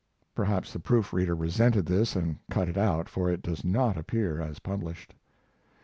Perhaps the proof reader resented this and cut it out, for it does not appear as published.